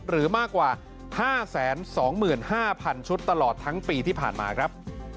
หรือมากกว่า๕๒๕๐๐๐ชุดตลอดทั้งปีที่ผ่านมาครับ